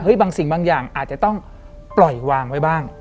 บางสิ่งบางอย่างอาจจะต้องปล่อยวางไว้บ้าง